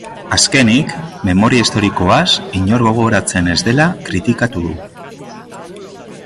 Azkenik, memoria historikoaz inor gogoratzen ez dela kritikatu du.